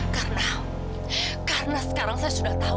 karena karena sekarang saya sudah tahu